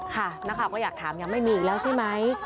นักข่าวก็อยากถามยังไม่มีอีกแล้วใช่ไหม